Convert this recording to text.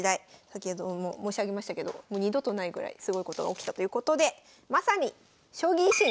先ほども申し上げましたけどもう二度とないぐらいすごいことが起きたということでまさに「将棋維新」。